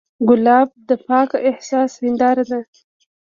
ګلاب د پاک احساس هنداره ده.